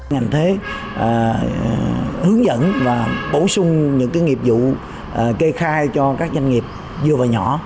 ngành thuế hướng dẫn và bổ sung những nghiệp vụ kê khai cho các doanh nghiệp vừa và nhỏ